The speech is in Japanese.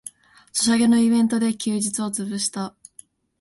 ソシャゲのイベントで休日をつぶした